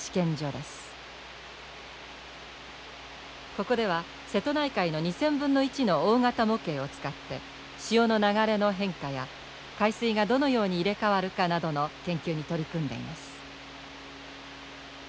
ここでは瀬戸内海の２０００分の１の大型模型を使って潮の流れの変化や海水がどのように入れ代わるかなどの研究に取り組んでいます。